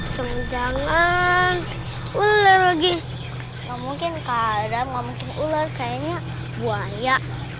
jangan jangan ular lagi mungkin kadang ngomongin ular kayaknya buaya